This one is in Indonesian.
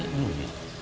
aku lupa rupanya